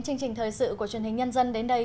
chương trình thời sự của truyền hình nhân dân đến đây